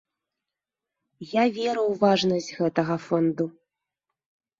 Я веру ў важнасць гэтага фонду.